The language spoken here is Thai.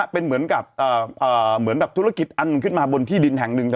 เป็นเหมือนกับเหมือนแบบธุรกิจอันขึ้นมาบนที่ดินแห่งหนึ่ง